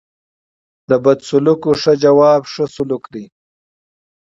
د بدو سلوکو ښه جواب؛ ښه سلوک دئ.